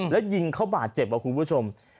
แล้วยิงเขาบาดเจ็บครับคุณผู้ชม